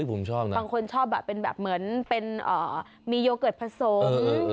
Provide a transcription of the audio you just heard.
ผมชอบนะบางคนชอบเป็นแบบเหมือนเป็นมีโยเกิร์ตผสม